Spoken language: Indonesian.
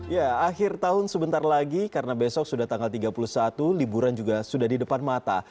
ya akhir tahun sebentar lagi karena besok sudah tanggal tiga puluh satu liburan juga sudah di depan mata